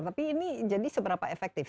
tapi ini jadi seberapa efektif